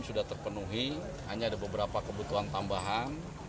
sudah terpenuhi hanya ada beberapa kebutuhan tambahan